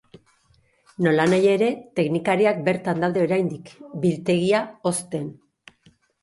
Nolanahi ere, teknikariak bertan daude oraindik, biltegia hozten.